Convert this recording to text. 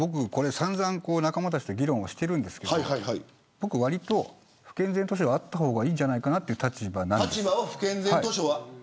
散々、仲間たちと議論してるんですけど不健全図書はあった方がいいんじゃないかなという立場なんです。